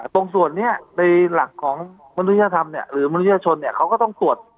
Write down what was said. ตรงส่วนนี้ในหลักของมนุษยธรรมหรือมนุษยชนเขาก็ต้องตรวจ